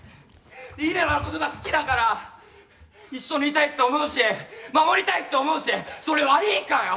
李里奈のことが好きだから一緒にいたいって思うし守りたいって思うしそれ悪ぃかよ！